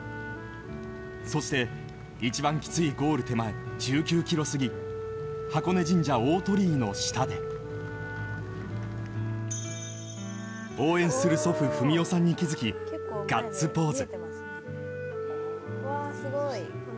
そして、一番きついゴール手前１９ｋｍ過ぎ箱根神社大鳥居の下で応援する祖父・文雄さんに気づきガッツポーズ。